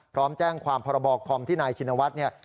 พร้อมแจ้งความพรบคอมที่นายชินวัฒน์เนี่ย